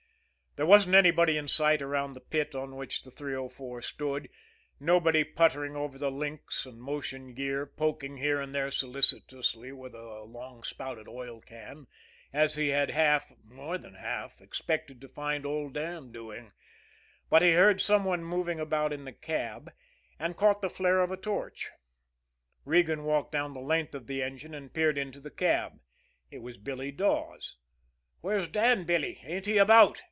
There wasn't anybody in sight around the pit on which the 304 stood, nobody puttering over the links and motion gear, poking here and there solicitously with a long spouted oil can, as he had half, more than half, expected to find old Dan doing; but he heard some one moving about in the cab, and caught the flare of a torch. Regan walked down the length of the engine, and peered into the cab. It was Billy Dawes. "Where's Dan, Billy? Ain't he about?"